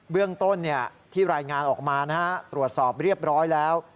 เรื่องต้นที่รายงานออกมาตรวจสอบเรียบร้อยแล้ว